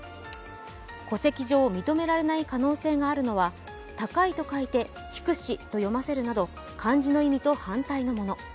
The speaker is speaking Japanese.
戸籍上、認められない可能性があるのは「高」と書いて「ひくし」と読ませるなど、漢字の意味と反対のもの。